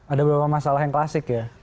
ada beberapa masalah yang klasik ya